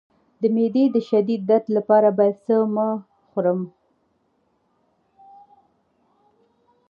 د معدې د شدید درد لپاره باید څه مه خورم؟